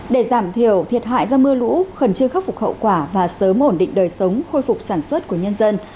để giảm thiểu thiệt hại do mưa lũ khẩn trương khắc phục hậu quả và sớm ổn định đời sống khôi phục sản xuất của nhân dân